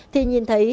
thì nhìn thấy